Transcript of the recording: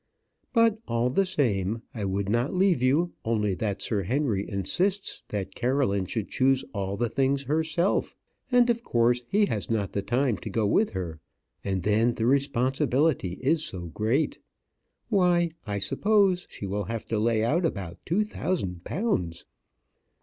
But all the same, I would not leave you, only that Sir Henry insists that Caroline should choose all the things herself; and of course he has not time to go with her and then the responsibility is so great. Why, I suppose she will have to lay out about two thousand pounds!"